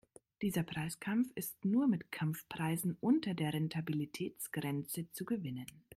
Dieser Preiskampf ist nur mit Kampfpreisen unter der Rentabilitätsgrenze zu gewinnen.